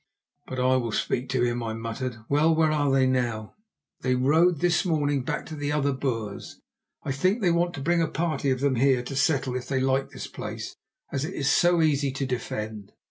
"But I will speak to him," I muttered. "Well, where are they now?" "They rode this morning back to the other Boers. I think they want to bring a party of them here to settle, if they like this place, as it is so easy to defend.